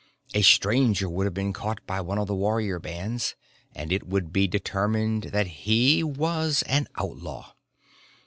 A Stranger would have been caught by one of the warrior bands, and it would be determined that he was an outlaw.